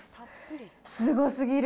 すごすぎる。